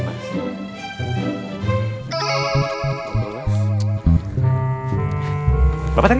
berapa ini lima belas ya